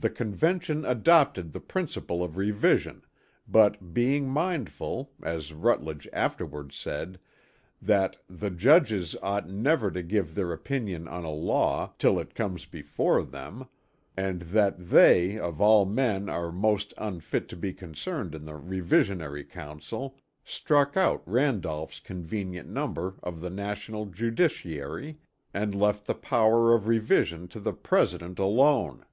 The Convention adopted the principle of revision, but being mindful, as Rutledge afterwards said, that 'the judges ought never to give their opinion on a law, till it comes before them,' and that they 'of all men are the most unfit to be concerned in the Revisionary Council,' struck out Randolph's 'convenient number of the national judiciary' and left the power of revision in the President alone.